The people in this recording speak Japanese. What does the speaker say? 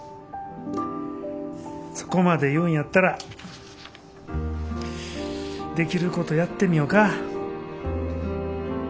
そこまで言うんやったらできることやってみよか。